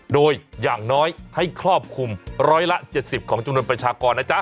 โดยอย่างน้อยให้ครอบคลุมร้อยละ๗๐ของจำนวนประชากรนะจ๊ะ